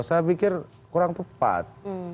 saya pikir kurang tepat